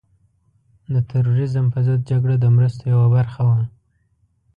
د تروریزم په ضد جګړه د مرستو یوه موخه وه.